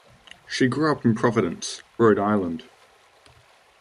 She grew up in Providence, Rhode Island.